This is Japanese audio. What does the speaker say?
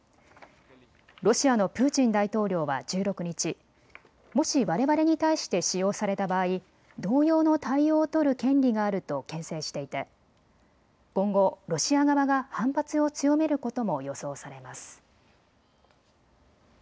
ロシアのプーチン大統領は１６日、もし、われわれに対して使用された場合、同様の対応を取る権利があるとけん制していて今後、ロシア側が反発を強めることも予想されます。